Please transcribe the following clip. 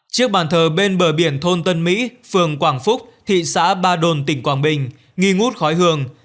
chiếc bàn thờ bên bờ biển thôn tân mỹ phường quảng phúc thị xã ba đồn tỉnh quảng bình nghi ngút khói hường